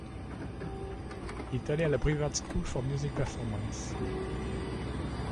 Il est allé à la Brevard School for Music Performance.